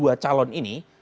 pak prabowo dan anies baswedan